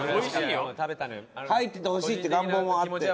入っててほしいって願望もあって。